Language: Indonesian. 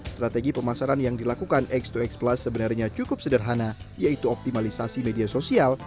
strategi pemasaran yang dilakukan x dua x plus sebenarnya cukup sederhana yaitu optimalisasi media sosial